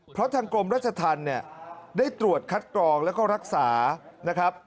เพราะทางกรมราชธรรมเนี่ยได้ตรวจคัดกรองแล้วก็รักษานะครับ